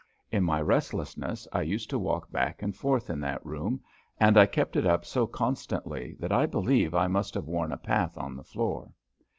In my restlessness I used to walk back and forth in that room, and I kept it up so constantly that I believe I must have worn a path on the floor.